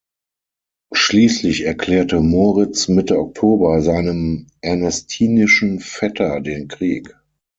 Schließlich erklärte Moritz Mitte Oktober seinem ernestinischen Vetter den Krieg.